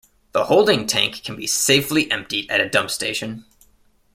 The holding tank can be safely emptied at a dump station.